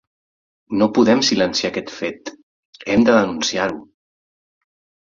No podem silenciar aquest fet: hem de denunciar-ho!